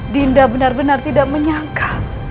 dinda benar benar tidak menyangka